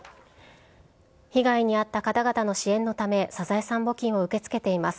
被害に遭った方々の支援のため、サザエさん募金を受け付けています。